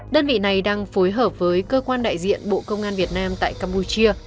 đơn vị này đang phối hợp với cơ quan đại diện bộ công an việt nam tại campuchia